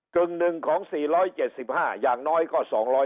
กึ่งหนึ่งของ๔๗๕อย่างน้อยก็๒๕